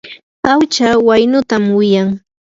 awicha waynutam wiyan.